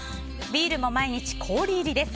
ビールも毎日、氷入りです。